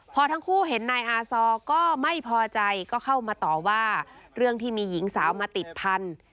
พอทั้งคู่เห็นนายอาซอก็ไม่พอใจก็เข้ามาต่อว่าเรื่องที่มีหญิงสาวมาติดพันธุ์